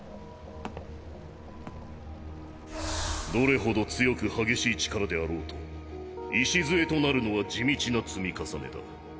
どれほど強く激しい力であろうと礎となるのは地道な積み重ねだ。